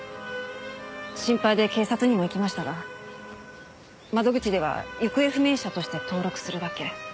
心配で警察にも行きましたが窓口では行方不明者として登録するだけ。